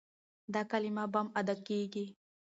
دا کلمه بم ادا کېږي.